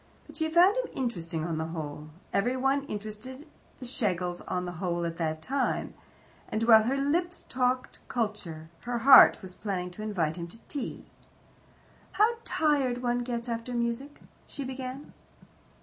But she found him interesting on the whole every one interested the Schlegels on the whole at that time and while her lips talked culture, her heart was planning to invite him to tea. "How tired one gets after music!" she began.